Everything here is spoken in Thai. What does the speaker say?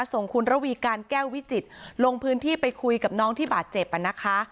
ส่งคุณระวีการแก้ววิจิตรลงพื้นที่ไปคุยกับน้องที่บาดเจ็บนะคะ